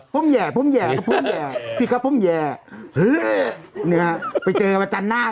เขาส่วยวิกหรือเปล่า